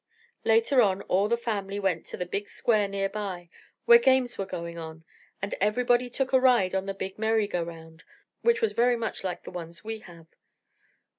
Later on all the family went to the big square near by, where games were going on; and everybody took a ride on the big "merry go round," which was very much like the ones we have.